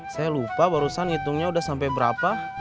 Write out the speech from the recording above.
saya lupa barusan hitungnya udah sampai berapa